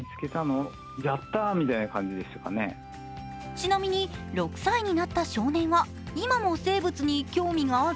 ちなみに、６歳になった少年は今も生物に興味がある？